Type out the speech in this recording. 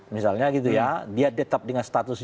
misalnya gitu ya dia tetap dengan status